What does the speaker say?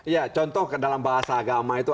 ya contoh dalam bahasa agama itu